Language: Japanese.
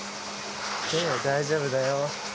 ねぇ大丈夫だよ。